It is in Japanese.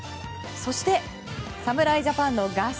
そして、侍ジャパンの合宿。